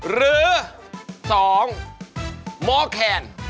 หรือ๒มแคน